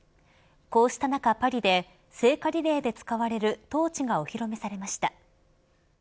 こうした中パリで聖火リレーで使われるトーチがお披露目されました。